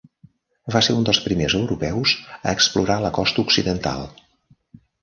Va ser un dels primers europeus a explorar la costa occidental.